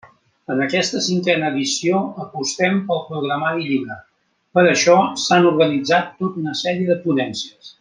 En aquesta cinquena edició apostem pel programari lliure, per això s'han organitzat tot una sèrie de ponències.